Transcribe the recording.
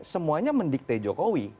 semuanya mendikte jokowi